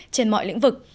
trên mọi lĩnh vực